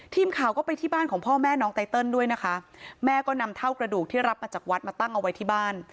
ทีมข่าวก็ไปที่บ้านของพ่อแม่น้องไตเติลด้วยนะคะแม่ก็นำเท่ากระดูกที่รับมาจากวัดมาตั้งเอาไว้ที่บ้าน